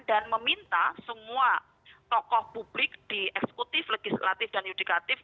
dan meminta semua tokoh publik di eksekutif legislatif dan yudikatif